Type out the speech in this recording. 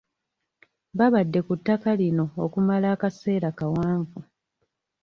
Babadde ku ttaka lino okumala akaseera kawanvu.